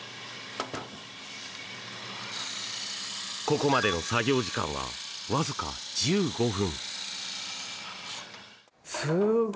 ここまでの作業時間はわずか１５分。